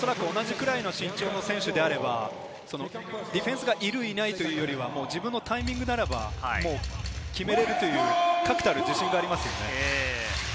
同じくらいの身長の選手であれば、ディフェンスがいるいないというよりは、自分のタイミングならば決めれるという確たる自信がありますよね。